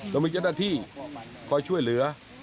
โดยมีเจ้าหน้าที่คอยช่วยเหลือ